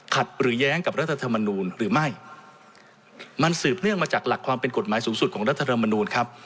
หรือแย้งกับรัฐธรรมนูลหรือไม่มันสืบเนื่องมาจากหลักความเป็นกฎหมายสูงสุดของรัฐธรรมนูลครับ